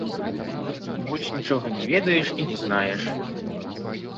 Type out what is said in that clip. Больш нічога не ведаеш і не знаеш.